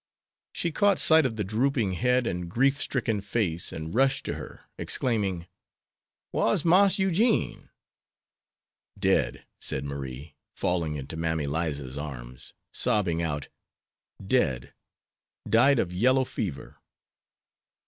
She caught sight of the drooping head and grief stricken face, and rushed to her, exclaiming: "Whar's Marse Eugene?" "Dead," said Marie, falling into Mammy Liza's arms, sobbing out, "dead! _ died_ of yellow fever."